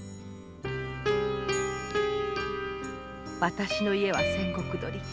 私の家は千石取り。